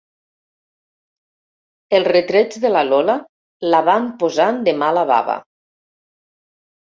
Els retrets de la Lola la van posant de mala bava.